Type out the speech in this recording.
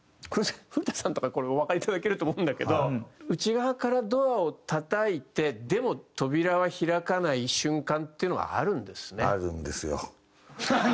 古田さんとかこれおわかりいただけると思うんだけど内側からドアをたたいてでも扉は開かない瞬間っていうのがあるんですね。